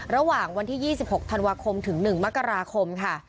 ระหว่างวันที่๒๖ธันวาคมถึง๑มกราคมค่ะ